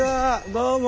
どうも。